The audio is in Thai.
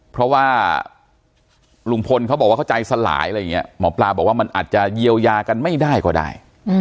พรหลวงพลเขาบอกว่าใจสลายหมอปลาบอกว่ามันอาจจะเอียวยากันไม่ได้กว่าได้